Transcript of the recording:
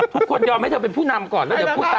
ยอมให้เธอเป็นผู้นำก่อนแล้วเดี๋ยวพูดตาม